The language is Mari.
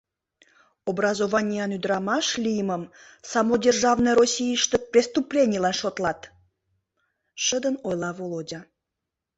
— Образованиян ӱдырамаш лиймым самодержавный Российыште преступленийлан шотлат, — шыдын ойла Володя.